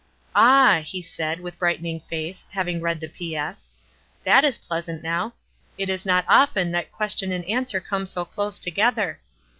"Ah!" he said, w T ith brightening face, hav ing read the "P. S." "That is pleasant now. It is not often that question and answer come so close together.